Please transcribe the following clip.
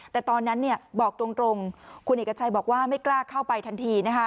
แต่ตอนนั้นบอกตรงคุณเอกชัยบอกว่าไม่กล้าเข้าไปทันที